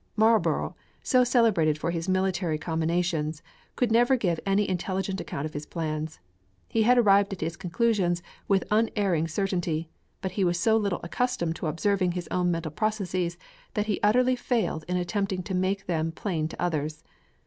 Marlborough, so celebrated for his military combinations, could never give any intelligible account of his plans. He had arrived at his conclusions with unerring certainty, but he was so little accustomed to observing his own mental processes, that he utterly failed in attempting to make them plain to others.